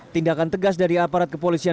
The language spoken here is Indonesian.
tindakan tegas dari aparat kepolisian